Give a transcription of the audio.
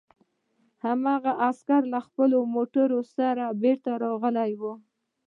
هماغه عسکر له خپلو موټرو سره بېرته راغلي وو